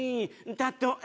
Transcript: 「たとえ」